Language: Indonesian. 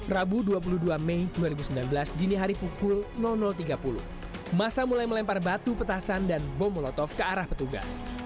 rabu dua puluh dua mei dua ribu sembilan belas dini hari pukul tiga puluh masa mulai melempar batu petasan dan bom molotov ke arah petugas